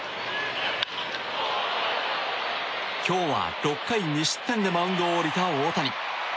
今日は６回２失点でマウンドを降りた大谷。